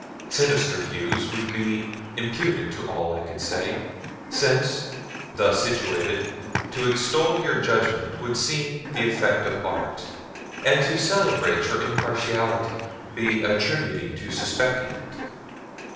Sinister views would be imputed to all I could say; since, thus situated, to extol your judgment, would seem the effect of art, and to celebrate your impartiality, be attributing to suspecting it.